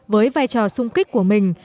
với vai trò sung kích của mình